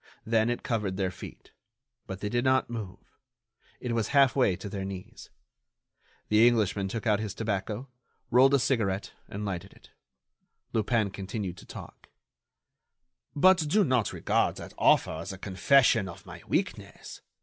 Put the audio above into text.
Then it covered their feet; but they did not move. It was half way to their knees. The Englishman took out his tobacco, rolled a cigarette, and lighted it. Lupin continued to talk: "But do not regard that offer as a confession of my weakness.